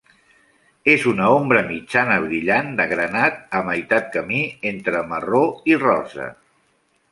És una ombra mitjana brillant de granat a meitat camí entre marró i rosa.